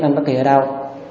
anh bất kỳ ở đâu